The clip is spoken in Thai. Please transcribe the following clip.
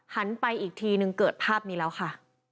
หันไปอีกทีนึงเกิดภาพนี้แล้วค่ะ